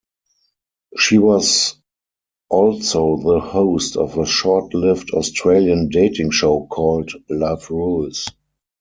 She was also the host of a short-lived Australian dating show called "Love Rules".